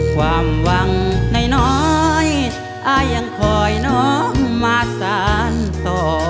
ความหวังน้อยน้อยอ่ายังขอให้น้องมาสานต่อ